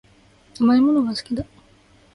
甘いものが好きだ